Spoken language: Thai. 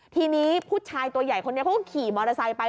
ทีนี้ผู้ชายตัวใหญ่คนนี้เขาก็ขี่มอเตอร์ไซค์ไป